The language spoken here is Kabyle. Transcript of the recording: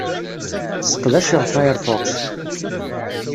Sseqdaceɣ Firefox.